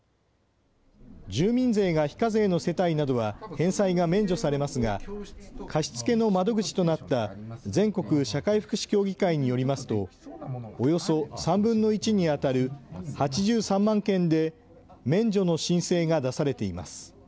住民税が非課税の世帯などは返済が免除されますが、貸し付けの窓口となった全国社会福祉協議会によりますと、およそ３分の１に当たる８３万件で免除の申請が出されています。